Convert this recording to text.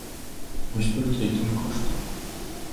Вось толькі якім коштам?